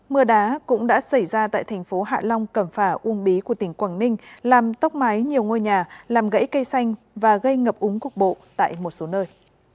mưa đá cũng đã xảy ra tại thành phố hạ long cẩm phả uông bí của tỉnh quảng ninh làm tốc mái nhiều ngôi nhà làm gãy cây xanh và gây ngập úng cục bộ tại một số nơi